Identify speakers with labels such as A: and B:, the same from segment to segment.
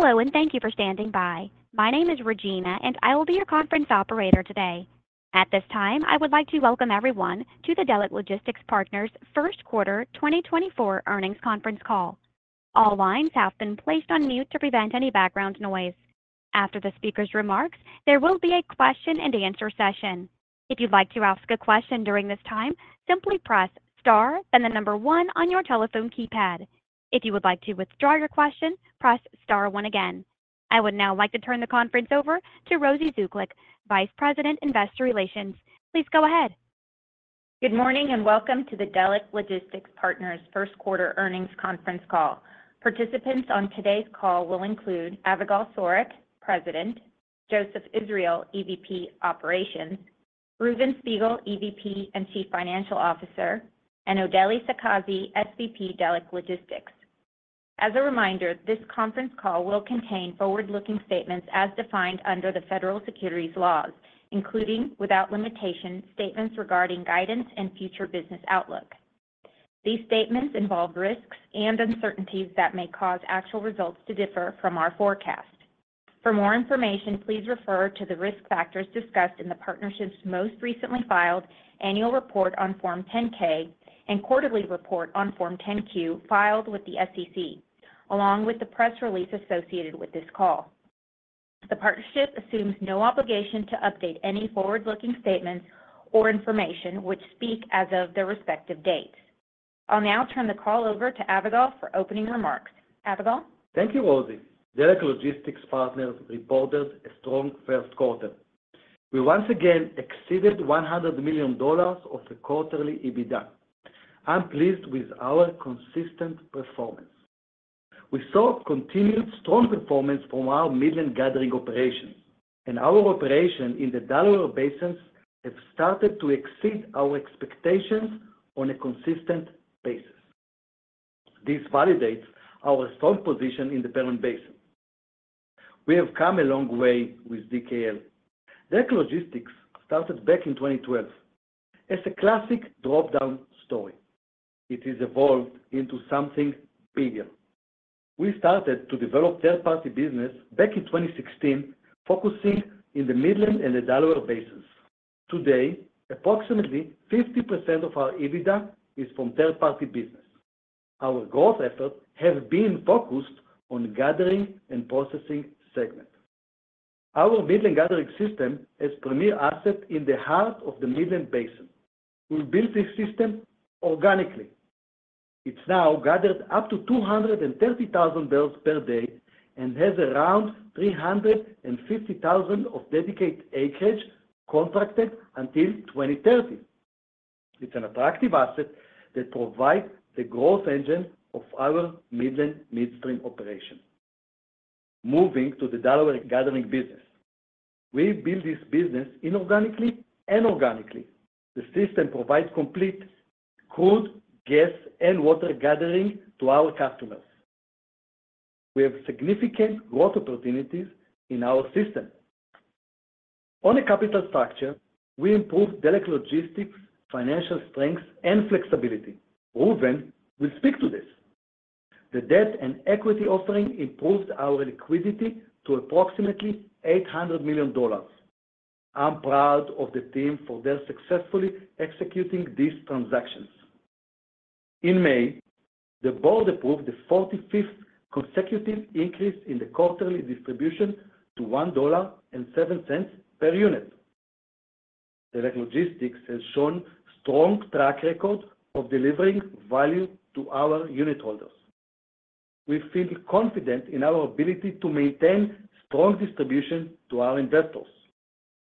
A: Hello, and thank you for standing by. My name is Regina, and I will be your conference operator today. At this time, I would like to welcome everyone to the Delek Logistics Partners first quarter 2024 earnings conference call. All lines have been placed on mute to prevent any background noise. After the speaker's remarks, there will be a question and answer session. If you'd like to ask a question during this time, simply press Star, then the number one on your telephone keypad. If you would like to withdraw your question, press Star one again. I would now like to turn the conference over to Rosy Zuklic, Vice President, Investor Relations. Please go ahead.
B: Good morning, and welcome to the Delek Logistics Partners first quarter earnings conference call. Participants on today's call will include Avigal Soreq, President; Joseph Israel, EVP Operations; Reuven Spiegel, EVP and Chief Financial Officer; and Odely Sakazi, SVP, Delek Logistics. As a reminder, this conference call will contain forward-looking statements as defined under the federal securities laws, including, without limitation, statements regarding guidance and future business outlook. These statements involve risks and uncertainties that may cause actual results to differ from our forecast. For more information, please refer to the risk factors discussed in the Partnership's most recently filed annual report on Form 10-K and quarterly report on Form 10-Q, filed with the SEC, along with the press release associated with this call. The Partnership assumes no obligation to update any forward-looking statements or information which speak as of their respective dates. I'll now turn the call over to Avigal for opening remarks. Avigal?
C: Thank you, Rosy. Delek Logistics Partners reported a strong first quarter. We once again exceeded $100 million of quarterly EBITDA. I'm pleased with our consistent performance. We saw continued strong performance from our Midland gathering operation, and our operation in the Delaware basins have started to exceed our expectations on a consistent basis. This validates our strong position in the Permian Basin. We have come a long way with DKL. Delek Logistics started back in 2012 as a classic drop-down story. It has evolved into something bigger. We started to develop third-party business back in 2016, focusing in the Midland and the Delaware basins. Today, approximately 50% of our EBITDA is from third-party business. Our growth efforts have been focused on Gathering and Processing segment. Our Midland Gathering System is premier asset in the heart of the Midland Basin. We built this system organically. It's now gathered up to 230,000 barrels per day and has around 350,000 of dedicated acreage contracted until 2030. It's an attractive asset that provides the growth engine of our Midland midstream operation. Moving to the Delaware gathering business. We built this business inorganically and organically. The system provides complete crude, gas, and water gathering to our customers. We have significant growth opportunities in our system. On a capital structure, we improved Delek Logistics' financial strength and flexibility. Reuven will speak to this. The debt and equity offering improved our liquidity to approximately $800 million. I'm proud of the team for their successfully executing these transactions. In May, the board approved the 45th consecutive increase in the quarterly distribution to $1.07 per unit. Delek Logistics has shown strong track record of delivering value to our unit holders. We feel confident in our ability to maintain strong distribution to our investors.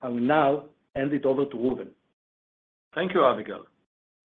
C: I will now hand it over to Reuven.
D: Thank you, Avigal.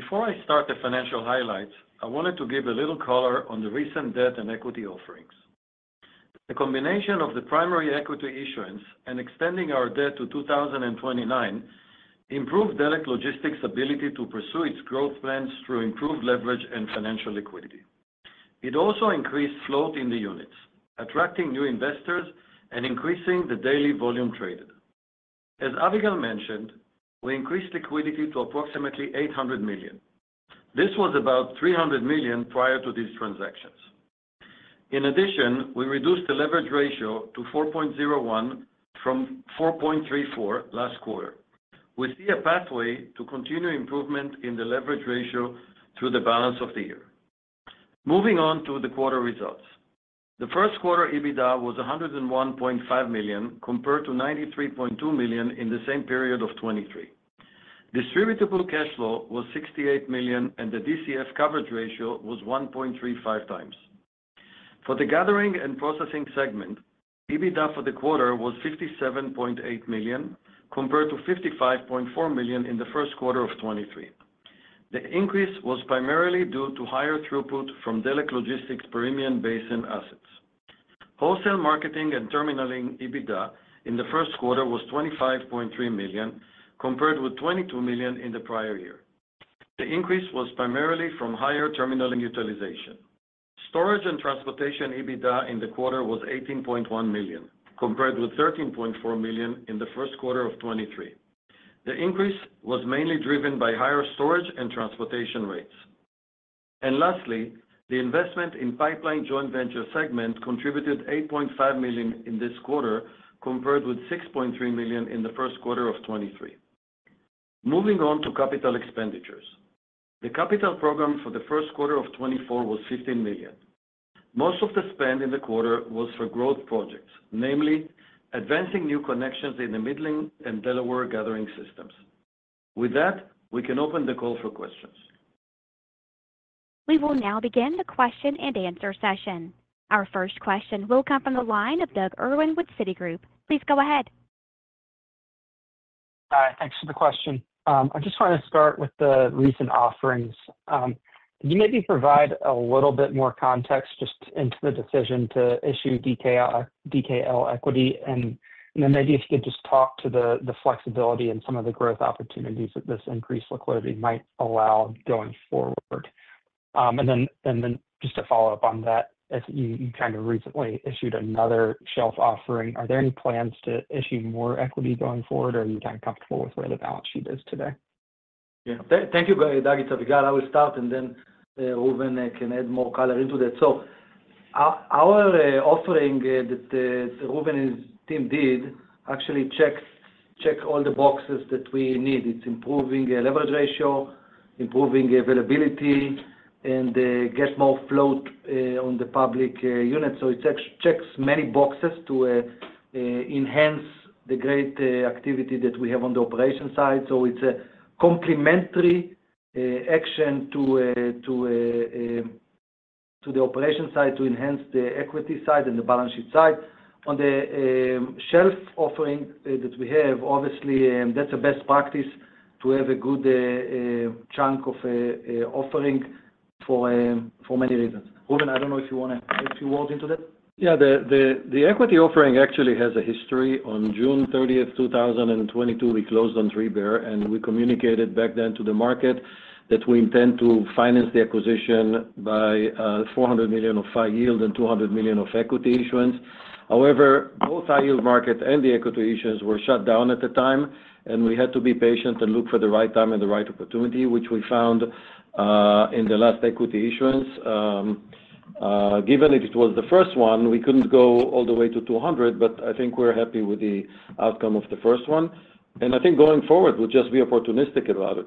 D: Before I start the financial highlights, I wanted to give a little color on the recent debt and equity offerings. The combination of the primary equity issuance and extending our debt to 2029 improved Delek Logistics ability to pursue its growth plans through improved leverage and financial liquidity. It also increased float in the units, attracting new investors and increasing the daily volume traded. As Avigal mentioned, we increased liquidity to approximately $800 million. This was about $300 million prior to these transactions. In addition, we reduced the leverage ratio to 4.01 from 4.34 last quarter. We see a pathway to continued improvement in the leverage ratio through the balance of the year. Moving on to the quarter results. The first quarter EBITDA was $101.5 million, compared to $93.2 million in the same period of 2023. Distributable cash flow was $68 million, and the DCF coverage ratio was 1.35x. For the Gathering and Processing segment, EBITDA for the quarter was $57.8 million, compared to $55.4 million in the first quarter of 2023. The increase was primarily due to higher throughput from Delek Logistics Permian Basin assets. Wholesale Marketing and Terminalling EBITDA in the first quarter was $25.3 million, compared with $22 million in the prior year. The increase was primarily from higher terminalling utilization. Storage and Transportation EBITDA in the quarter was $18.1 million, compared with $13.4 million in the first quarter of 2023. The increase was mainly driven by higher Storage and Transportation rates. ...And lastly, the Investment in Pipeline Joint Ventures segment contributed $8.5 million in this quarter, compared with $6.3 million in the first quarter of 2023. Moving on to capital expenditures. The capital program for the first quarter of 2024 was $15 million. Most of the spend in the quarter was for growth projects, namely advancing new connections in the Midland and Delaware gathering systems. With that, we can open the call for questions.
A: We will now begin the question-and-answer session. Our first question will come from the line of Doug Irwin with Citigroup. Please go ahead.
E: Hi, thanks for the question. I just wanted to start with the recent offerings. Can you maybe provide a little bit more context just into the decision to issue DKL equity, and then maybe if you could just talk to the flexibility and some of the growth opportunities that this increased liquidity might allow going forward? And then just to follow up on that, as you kind of recently issued another shelf offering, are there any plans to issue more equity going forward, or are you kind of comfortable with where the balance sheet is today?
C: Yeah. Thank you, Doug. It's Avigal. I will start, and then Reuven can add more color into that. So our offering that Reuven and his team did actually checks all the boxes that we need. It's improving the leverage ratio, improving availability, and get more float on the public unit. So it checks many boxes to enhance the great activity that we have on the operation side. So it's a complementary action to the operation side to enhance the equity side and the balance sheet side. On the shelf offering that we have, obviously, that's a best practice to have a good chunk of a offering for many reasons. Reuven, I don't know if you wanna add a few words into that.
F: Yeah, the equity offering actually has a history. On June 30, 2022, we closed on 3Bear, and we communicated back then to the market that we intend to finance the acquisition by $400 million of high yield and $200 million of equity issuance. However, both high yield market and the equity issuance were shut down at the time, and we had to be patient and look for the right time and the right opportunity, which we found in the last equity issuance. Given that it was the first one, we couldn't go all the way to $200 million, but I think we're happy with the outcome of the first one. And I think going forward, we'll just be opportunistic about it.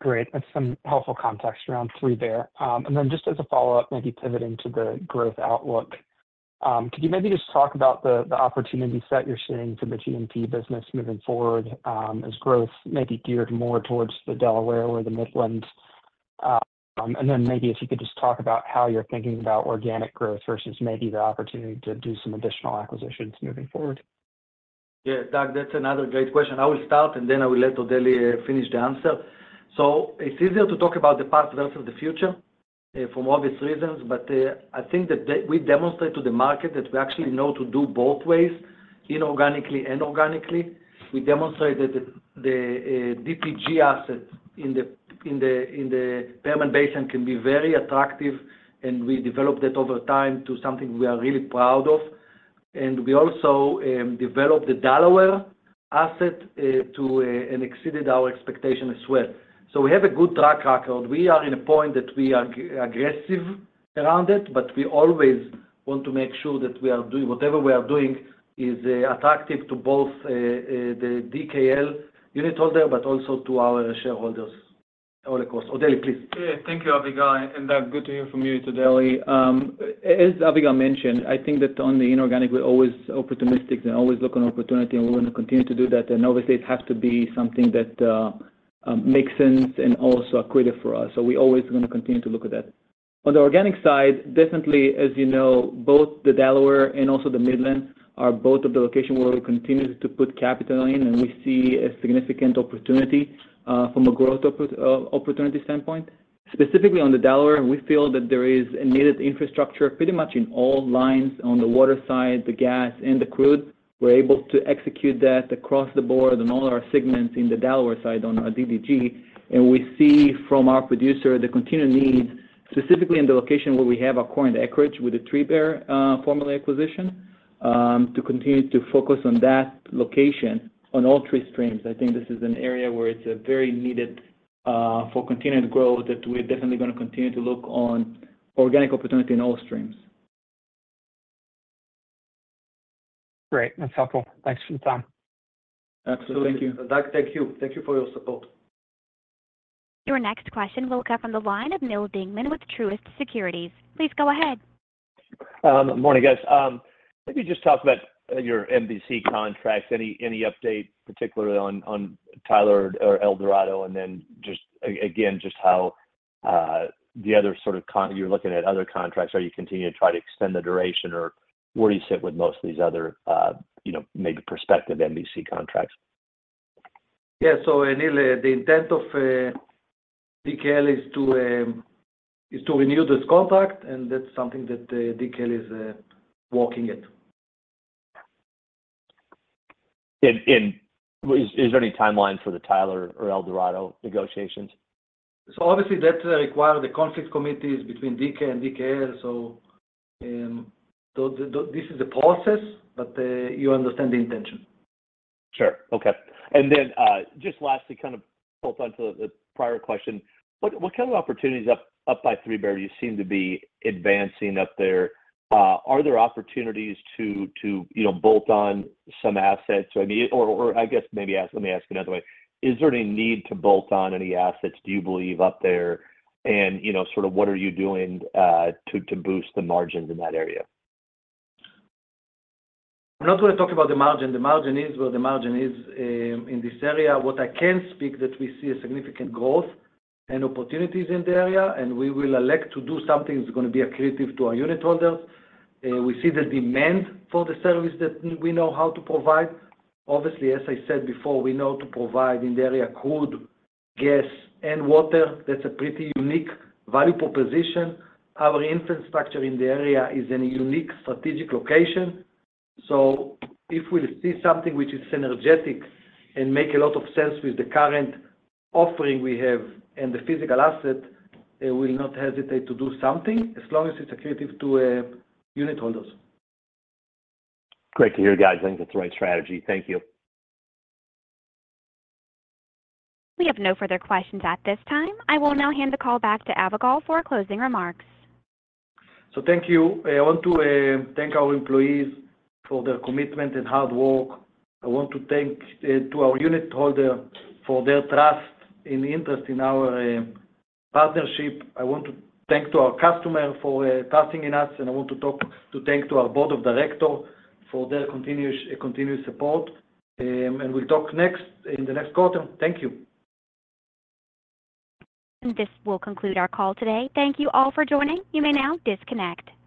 E: Great. That's some helpful context around 3Bear. And then just as a follow-up, maybe pivoting to the growth outlook, could you maybe just talk about the, the opportunities that you're seeing for the G&P business moving forward, as growth may be geared more towards the Delaware or the Midland? And then maybe if you could just talk about how you're thinking about organic growth versus maybe the opportunity to do some additional acquisitions moving forward.
C: Yeah, Doug, that's another great question. I will start, and then I will let Odely finish the answer. So it's easier to talk about the past versus the future, for obvious reasons, but I think that we demonstrate to the market that we actually know to do both ways, inorganically and organically. We demonstrate that the DPG assets in the Permian Basin can be very attractive, and we developed that over time to something we are really proud of. And we also developed the Delaware asset and exceeded our expectations as well. So we have a good track record. We are in a point that we are aggressive around it, but we always want to make sure that whatever we are doing is attractive to both the DKL unit holder, but also to our shareholders all across. Odely, please.
F: Yeah. Thank you, Avigal, and good to hear from you today, Odely. As Avigal mentioned, I think that on the inorganic, we're always opportunistic and always look on opportunity, and we want to continue to do that. And obviously, it has to be something that makes sense and also accretive for us. So we always gonna continue to look at that. On the organic side, definitely, as you know, both the Delaware and also the Midland are both of the location where we continue to put capital in, and we see a significant opportunity from a growth opportunity standpoint. Specifically on the Delaware, we feel that there is a needed infrastructure pretty much in all lines on the water side, the gas, and the crude. We're able to execute that across the board in all our segments in the Delaware side on our DDG, and we see from our producer the continued need, specifically in the location where we have our current acreage with the 3Bear former acquisition, to continue to focus on that location on all three streams. I think this is an area where it's very needed for continued growth, that we're definitely gonna continue to look on organic opportunity in all streams.
E: Great. That's helpful. Thanks for your time.
F: Absolutely.
C: Doug, thank you. Thank you for your support.
A: Your next question will come from the line of Neal Dingman with Truist Securities. Please go ahead.
G: Good morning, guys. Maybe just talk about your MVC contracts. Any update, particularly on Tyler or El Dorado? And then just again, just how the other sort of you're looking at other contracts, are you continuing to try to extend the duration, or where do you sit with most of these other, you know, maybe prospective MVC contracts?
C: Yeah. So, Neal, the intent of DKL is to renew this contract, and that's something that DKL is working at.
G: Is there any timeline for the Tyler or El Dorado negotiations?...
C: So obviously, that require the conflicts committees between DK and DKL. So, this is a process, but you understand the intention.
G: Sure. Okay. And then, just lastly, kind of built onto the prior question, what kind of opportunities up by 3Bear you seem to be advancing up there? Are there opportunities to, you know, bolt on some assets? I mean, or I guess maybe ask—Let me ask it another way. Is there any need to bolt on any assets, do you believe, up there? And, you know, sort of what are you doing to boost the margins in that area?
C: I'm not going to talk about the margin. The margin is where the margin is, in this area. What I can speak, that we see a significant growth and opportunities in the area, and we will elect to do something that's going to be accretive to our unit holders. We see the demand for the service that we know how to provide. Obviously, as I said before, we know to provide in the area crude, gas, and water. That's a pretty unique value proposition. Our infrastructure in the area is in a unique strategic location. So if we see something which is synergetic and make a lot of sense with the current offering we have and the physical asset, we'll not hesitate to do something, as long as it's accretive to, unit holders.
G: Great to hear, guys. I think that's the right strategy. Thank you.
A: We have no further questions at this time. I will now hand the call back to Avigal for closing remarks.
C: Thank you. I want to thank our employees for their commitment and hard work. I want to thank to our unit holder for their trust and interest in our partnership. I want to thank to our customer for trusting in us, and I want to thank to our Board of Directors for their continuous support. And we'll talk next in the next quarter. Thank you.
A: This will conclude our call today. Thank you all for joining. You may now disconnect.